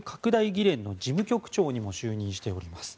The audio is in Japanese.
議連の事務局長にも就任しております。